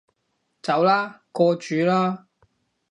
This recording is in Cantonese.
走啦，過主啦